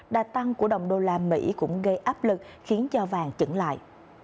đà tăng của đồng đô la mỹ cũng gây áp lực khiến cho vàng chững lại